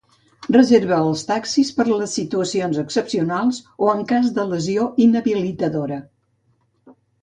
Reserva els taxis per a les situacions excepcionals o en cas de lesió inhabilitadora.